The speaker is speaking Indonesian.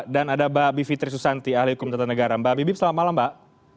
dan ada mbak bivitri susanti ahli hukum tentang negara mbak bivip selamat malam mbak